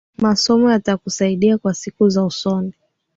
Masomo yatakusaidia kwa siku za usoni